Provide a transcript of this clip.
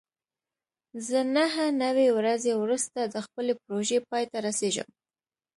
زه نهه نوي ورځې وروسته د خپلې پروژې پای ته رسېږم.